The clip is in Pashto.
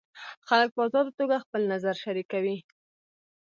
خلک په ازاده توګه خپل نظر شریکوي.